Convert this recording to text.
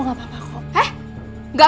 eh gak sesuai cari muka lo